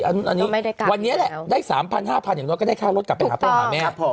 อันนี้วันนี้แหละได้๓๐๐๕๐๐อย่างน้อยก็ได้ค่ารถกลับไปหาพ่อหาแม่